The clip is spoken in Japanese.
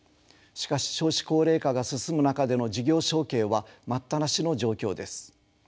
しかし少子高齢化が進む中での事業承継は待ったなしの状況です。